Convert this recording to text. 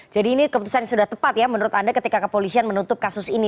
jadi keputusan sudah tepat ya menurut anda ketika kepolisian menutup kasus ini